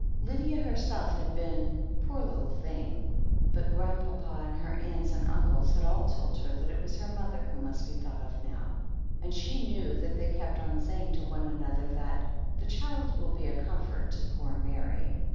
Lydia herself had been "poor little thing," but Grand papa and her aunts and uncle had all told her that it was her mother who must be thought of now, and she knew that they kept on saying to one another that "the child will be a comfort to poor Mary."